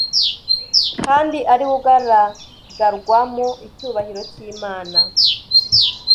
kandi ari we ugaragarwamo icyubahiro cy'Imana!